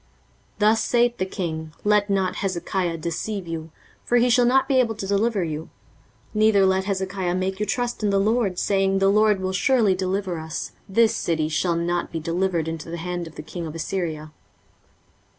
23:036:014 Thus saith the king, Let not Hezekiah deceive you: for he shall not be able to deliver you. 23:036:015 Neither let Hezekiah make you trust in the LORD, saying, The LORD will surely deliver us: this city shall not be delivered into the hand of the king of Assyria.